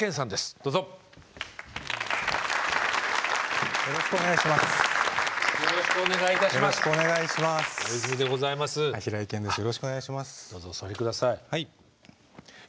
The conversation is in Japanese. どうぞお座り下さい。